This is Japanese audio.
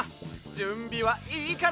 じゅんびはいいかな？